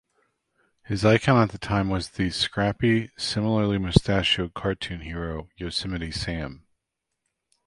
His icon at the time was the scrappy, similarly-mustachioed cartoon hero, Yosemite Sam.